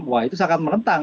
wah itu sangat melentang